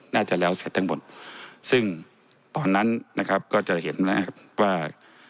น่าจะแล้วเสร็จทั้งหมดซึ่งตอนนั้นนะครับก็จะเห็นนะครับว่า